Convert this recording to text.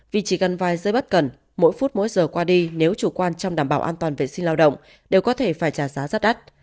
vì chỉ cần vài giây bất cần mỗi phút mỗi giờ qua đi nếu chủ quan trong đảm bảo an toàn vệ sinh lao động đều có thể phải trả giá rất đắt